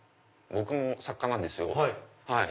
僕も作家なんですよ。